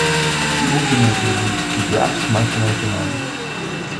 She ultimately leads to drugs much later on.